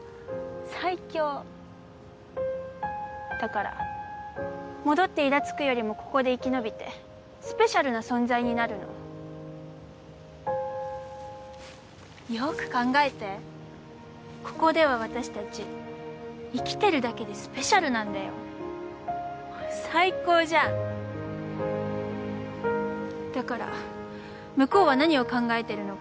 最強だから戻ってイラつくよりもここで生き延びてスペシャルな存在になるのよく考えてここでは私達生きてるだけでスペシャルなんだよ最高じゃんだから向こうは何を考えてるのか